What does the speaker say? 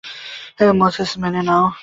Moses, মেনে নাও।